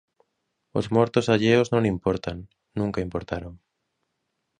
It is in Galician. Os mortos alleos non importan, nunca importaron